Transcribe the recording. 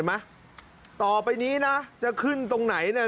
ไม่เหลืออะไร